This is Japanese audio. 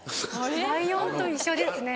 ライオンと一緒ですね。